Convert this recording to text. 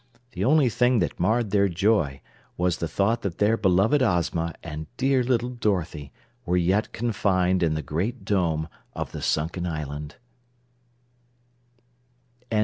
The only thing that marred their joy was the thought that their beloved Ozma and dear little Dorothy were yet confined in the Great Dome of the Sunken island.